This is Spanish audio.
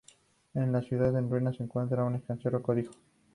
En la ciudad en ruinas encuentra un extraño cobijo.